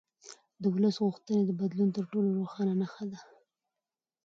د ولس غوښتنې د بدلون تر ټولو روښانه نښه ده